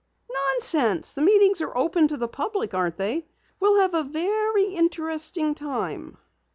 "Nonsense! The meetings are open to the public, aren't they? We'll have a very interesting time."